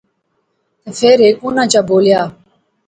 تے فیر ہیک انیں چا بولیا